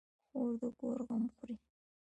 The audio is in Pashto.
خور د کور غم خوري.